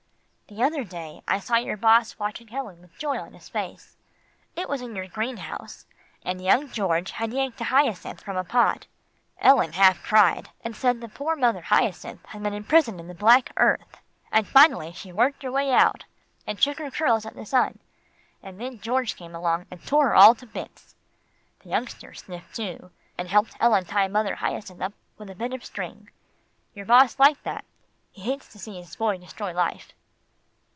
"The other day, I saw your boss watching Ellen with joy on his face. It was in your greenhouse, and young George had yanked a hyacinth from a pot. Ellen half cried, and said the poor mother hyacinth had been in prison in the black earth, and finally she worked her way out, and shook her curls at the sun, and then George came along, and tore her all to bits. The youngster sniffed too, and helped Ellen tie mother hyacinth up with a bit of string. Your boss liked that. He hates to see his boy destroy life."